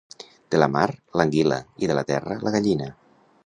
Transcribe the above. De la mar, l'anguila i, de la terra, la gallina.